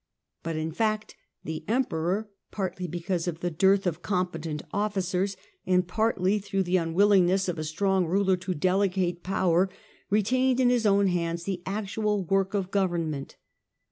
But in fact the Emperor, partly because of the dearth of competent officers, and partly through the unwillingness of a strong ruler to delegate power, retained in his own hands the actual work of government.